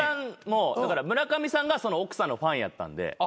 村上さんが奥さんのファンやったんで。